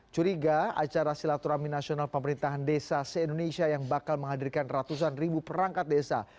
curiga acara silaturahmi nasional pemerintahan desa se indonesia yang bakal menghadirkan ratusan ribu perangkat desa